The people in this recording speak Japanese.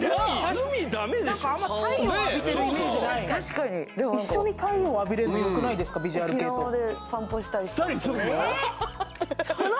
海ダメでしょ太陽浴びてるイメージない一緒に太陽浴びれるのよくないですかヴィジュアル系としたりすんの？